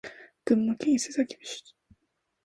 群馬県伊勢崎市